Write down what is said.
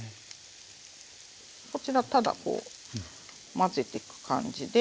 こちらただこう混ぜてく感じで。